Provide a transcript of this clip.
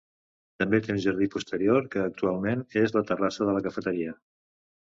També té un jardí posterior, que actualment és la terrassa de la cafeteria.